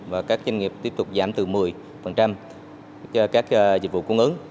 và các doanh nghiệp tiếp tục giảm từ một mươi cho các dịch vụ cung ứng